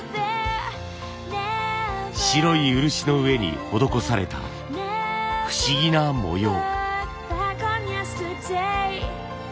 白い漆の上に施された不思議な模様。